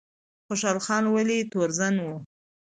خوشحال خان ولې تورزن و؟